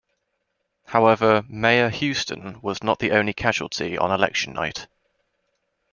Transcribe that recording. However, Mayor Houston was not the only casualty on election night.